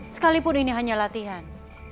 sekalipun ini hanya latihan